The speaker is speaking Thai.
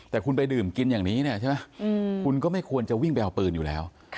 แต่คุณไปดื่มกินอย่างนี้เนี่ยใช่ไหมคุณก็ไม่ควรจะวิ่งไปเอาปืนอยู่แล้ว